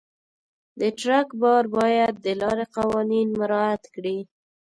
د ټرک بار باید د لارې قوانین مراعت کړي.